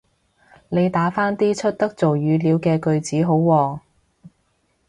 你打返啲出得做語料嘅句子好喎